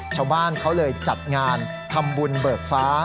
ชาวบ้านเขาเลยจัดงานทำบุญเบิกฟ้า